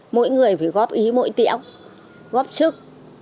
mỗi người phải góp ý mỗi tiệm góp sức